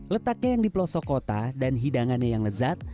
letaknya yang di pelosok kota dan hidangannya yang lezat